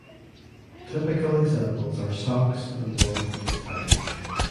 Typical examples are socks and one piece tights.